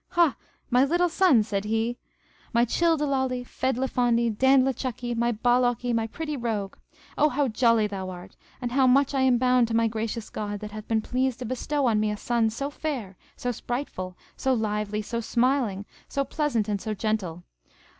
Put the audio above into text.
Ha, my little son, said he, my childilolly, fedlifondy, dandlichucky, my ballocky, my pretty rogue! O how jolly thou art, and how much am I bound to my gracious God, that hath been pleased to bestow on me a son so fair, so spriteful, so lively, so smiling, so pleasant, and so gentle!